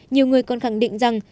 nhiều người còn khẳng định rằng